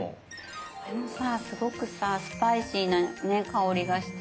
これもさすごくさスパイシーな香りがして。